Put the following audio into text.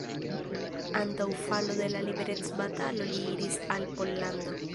Antaŭ falo de la liberecbatalo li iris al Pollando.